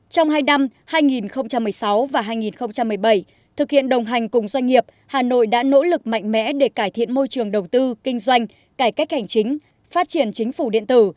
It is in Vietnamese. trong hai năm hai nghìn một mươi sáu và hai nghìn một mươi bảy thực hiện đồng hành cùng doanh nghiệp hà nội đã nỗ lực mạnh mẽ để cải thiện môi trường đầu tư kinh doanh cải cách hành chính phát triển chính phủ điện tử